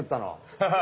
ハハハハ。